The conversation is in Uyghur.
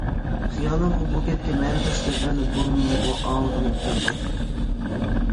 خىيالىمغا بۇ گەپكە مەنىداش گەپلەرنى بۇرۇنمۇ ئاڭلىغىنىم كەلدى.